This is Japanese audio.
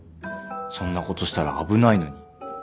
そんなことしたら危ないのに。